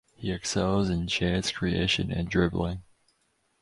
He excels in chance creation and dribbling.